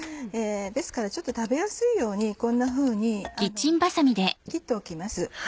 ですから食べやすいようにこんなふうに切っておきます。